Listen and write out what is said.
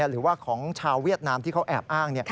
หรือว่าของชาวเวียดนามที่เขาแอบอ้าง